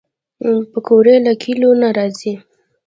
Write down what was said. پکورې له کلیو نه راځي